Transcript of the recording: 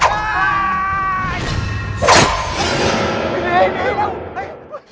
โอ้ยด้วยด้วย